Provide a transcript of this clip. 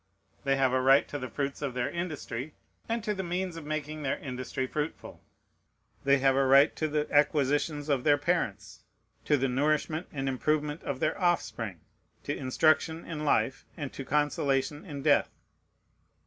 They have a right to the fruits of their industry, and to the means of making their industry fruitful. They have a right to the acquisitions of their parents, to the nourishment and improvement of their offspring, to instruction in life and to consolation in death.